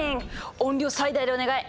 音量最大でお願い！